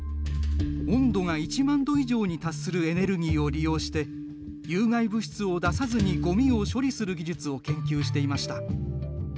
温度が１万度以上に達するエネルギーを利用して有害物質を出さずにごみを処理する技術を研究していました。